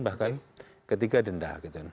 bahkan ketiga denda